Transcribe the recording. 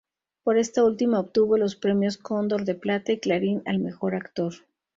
Por esta última obtuvo los premios Cóndor de Plata y Clarín al "mejor actor".